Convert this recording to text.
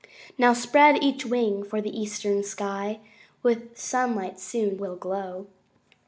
Now spread each wing, for the eastern sky With sunlight soon will glow.